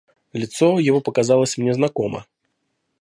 Лицо его показалось мне знакомо.